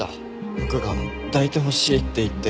僕が抱いてほしいって言って。